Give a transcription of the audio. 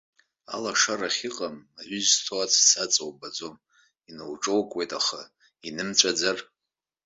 Алашара ахьыҟам аҩы зҭоу аҵәца аҵа убаӡом, иноуҿокуеит, аха инымҵәаӡар?